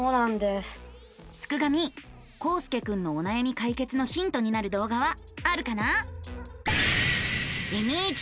すくガミこうすけくんのおなやみ解決のヒントになる動画はあるかな？